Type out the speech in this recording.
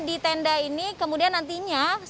di tenda ini kemudian nantinya